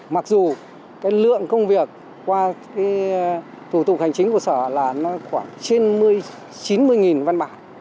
mặc dù cái lượng công việc qua cái thủ tục hành chính của sở là nó khoảng trên chín mươi văn bản